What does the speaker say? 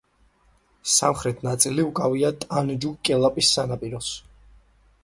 სამხრეთი ნაწილი უკავია ტანჯუნგ–კელაპის სანაპიროს.